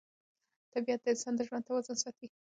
طبیعت د انسان د ژوند توازن ساتي